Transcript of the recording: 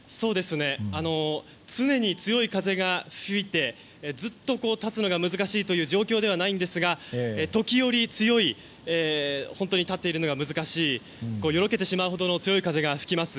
常に強い風が吹いてずっと、立つのが難しい状況ではないんですが時折強い本当に立っているのが難しいよろけてしまうほどの強い風が吹きます。